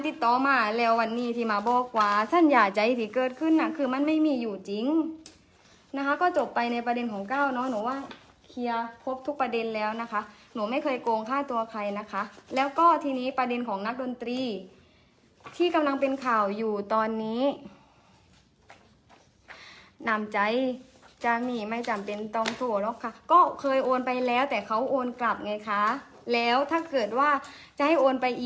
ติดต่อมาแล้ววันนี้ที่มาบอกว่าท่านอย่าใจที่เกิดขึ้นน่ะคือมันไม่มีอยู่จริงนะคะก็จบไปในประเด็นของก้าวเนอะหนูว่าเคลียร์ครบทุกประเด็นแล้วนะคะหนูไม่เคยโกงค่าตัวใครนะคะแล้วก็ทีนี้ประเด็นของนักดนตรีที่กำลังเป็นข่าวอยู่ตอนนี้นำใจจะหนีไม่จำเป็นต้องโทรหรอกค่ะก็เคยโอนไปแล้วแต่เขาโอนกลับไงคะแล้วถ้าเกิดว่าจะให้โอนไปอ